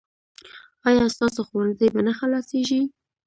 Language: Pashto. ایا ستاسو ښوونځی به نه خلاصیږي؟